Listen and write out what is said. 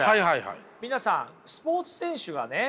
皆さんスポーツ選手がね